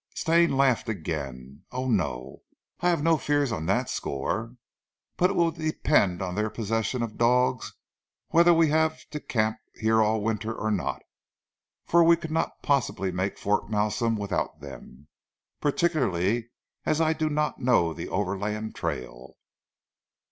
Stane laughed again. "Oh no! I have no fears on that score; but it will depend on their possession of dogs whether we have to camp here all winter or not; for we could not possibly make Fort Malsun without them, particularly as I do not know the overland trail.